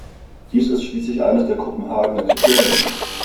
Dies ist schließlich eines der Kopenhagener Kriterien.